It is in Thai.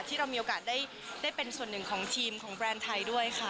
ที่เรามีโอกาสได้เป็นส่วนหนึ่งของทีมของแบรนด์ไทยด้วยค่ะ